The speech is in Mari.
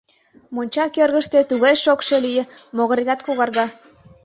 Монча кӧргыштӧ тугай шокшо лие, могырет когарга.